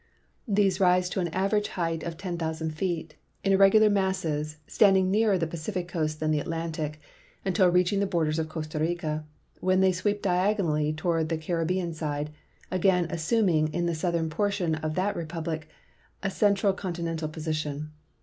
These rise to an average height of 10,000 feet, in irregular masses standing nearer the Pacific coast than the Atlantic until reaching the borders of C'osta Rica, Avhen they sweep diagonally toward the Caribbean side, again assuming in the southern j)ortion of that republic a central continental position.